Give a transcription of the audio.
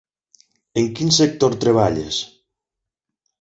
En quin sector treballes?